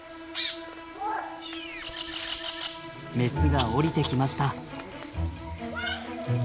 メスが下りてきました。